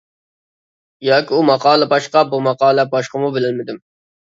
ياكى ئۇ ماقالە باشقا، بۇ ماقالە باشقىمۇ بىلەلمىدىم.